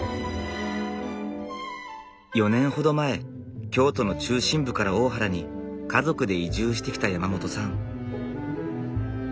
４年ほど前京都の中心部から大原に家族で移住してきた山本さん。